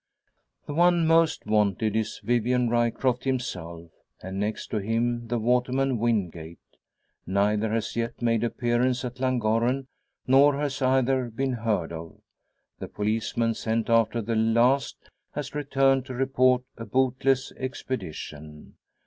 The one most wanted is Vivian Ryecroft himself, and next to him the waterman Wingate. Neither has yet made appearance at Llangorren, nor has either been heard of. The policeman sent after the last has returned to report a bootless expedition.